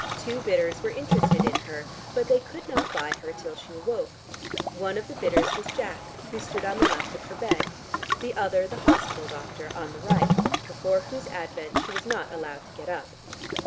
Two bidders were interested in her, but they could not buy her till she awoke; One of the bidders was Jack, who stood on the left of her bed, the other the hospital doctor, on the right, before whose advent she was not allowed to get up.